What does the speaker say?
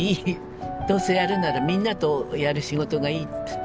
どうせやるならみんなとやる仕事がいいって。